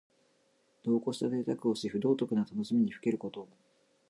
度をこしたぜいたくをし、不道徳な楽しみにふけること。